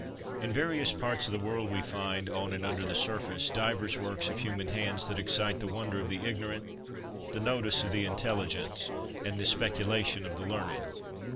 In various parts of the world we find, on and under the surface, divers works of human hands that excite the wonder of the ignorant, the notice of the intelligent, and the speculation of the learned.